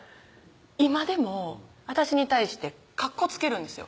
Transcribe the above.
今でも私に対してカッコつけるんですよ